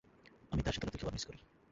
আমি তার সাথে রাতের খাবার মিস করি।